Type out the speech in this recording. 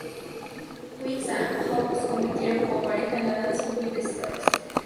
Wicks y Hough compitieron como pareja en la de "Dancing with the Stars".